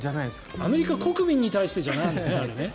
アメリカ国民に対してじゃないのね。